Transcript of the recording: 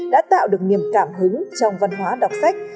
đã tạo được niềm cảm hứng trong văn hóa đọc sách